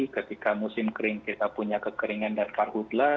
ketika musim kering kita punya kekeringan darat parhutlah